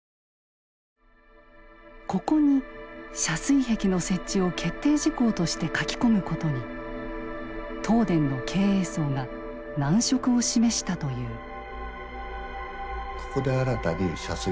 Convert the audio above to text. ここに遮水壁の設置を決定事項として書き込むことに東電の経営層が難色を示したという。